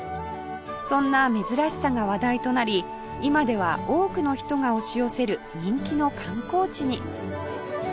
そんな珍しさが話題となり今では多くの人が押し寄せる人気の観光地に